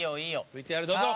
ＶＴＲどうぞ！